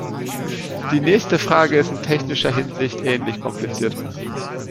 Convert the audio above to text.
Die nächste Frage ist in technischer Hinsicht ähnlich kompliziert.